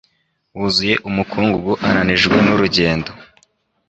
wuzuye umukungugu ananijwe n’urugendo